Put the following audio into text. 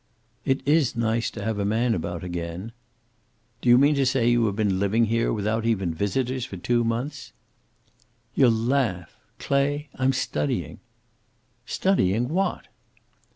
"It is nice to have a man about again." "Do you mean to say you have been living here, without even visitors, for two months?" "You'll laugh. Clay, I'm studying!" "Studying! What?"